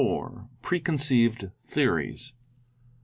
—Preconceived Theories.